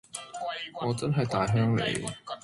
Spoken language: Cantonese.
我真係大鄉里